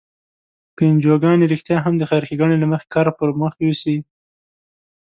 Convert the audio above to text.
که انجوګانې رښتیا هم د خیر ښیګڼې له مخې کار پر مخ یوسي.